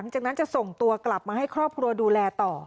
จะส่งตัวกลับมาให้ครอบครัวดูแลต่อ